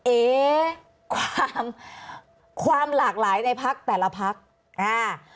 เออะความลากหลายในภักดิ์ใหญ่ด้วยแต่ละจับลง